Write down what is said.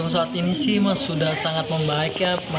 saat ini sih sudah sangat membaik ya